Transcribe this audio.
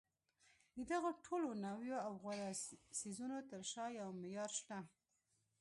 د دغو ټولو نویو او غوره څیزونو تر شا یو معیار شته